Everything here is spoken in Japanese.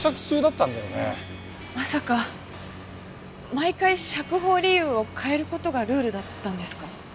まさか毎回釈放理由を変える事がルールだったんですか？